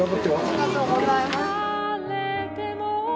ありがとうございます。